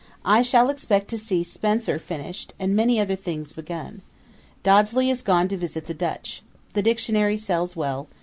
I shall expect to see Spenser finished, and many other things begun. Dodsley is gone to visit the Dutch. The Dictionary sells well.